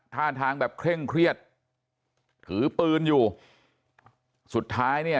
ท่าทางแบบเคร่งเครียดถือปืนอยู่สุดท้ายเนี่ย